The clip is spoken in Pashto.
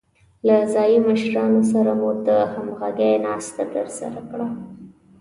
له ځايي مشرانو سره مو د همغږۍ ناسته ترسره کړه.